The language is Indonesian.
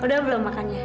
udah belum makannya